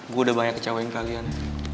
gue udah banyak kecewain kalian